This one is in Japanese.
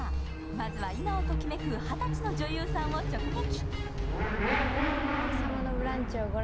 まずは今をときめく二十歳の女優さんを直撃。